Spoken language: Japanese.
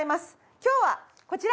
今日はこちら！